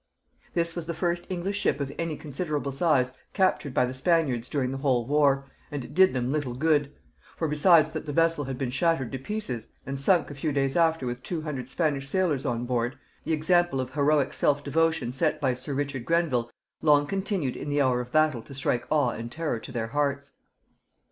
This was the first English ship of any considerable size captured by the Spaniards during the whole war, and it did them little good; for, besides that the vessel had been shattered to pieces, and sunk a few days after with two hundred Spanish sailors on board, the example of heroic self devotion set by sir Richard Grenville long continued in the hour of battle to strike awe and terror to their hearts.